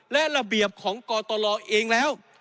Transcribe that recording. และระเบียบของกตลเองแล้ว